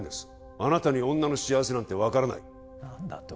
あなたに女の幸せなんて分からない何だと！？